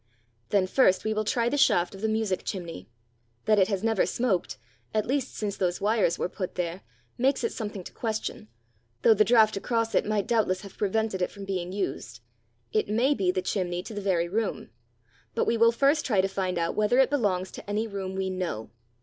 "Then first we will try the shaft of the music chimney. That it has never smoked, at least since those wires were put there, makes it something to question though the draught across it might doubtless have prevented it from being used. It may be the chimney to the very room. But we will first try to find out whether it belongs to any room we know.